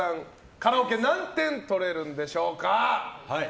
カラオケ何点取れるんでしょうか。